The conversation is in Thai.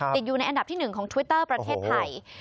ติดอยู่ในอันดับที่๑ของทวิตเตอร์ประเทศไทย